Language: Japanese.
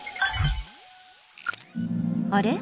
あれ？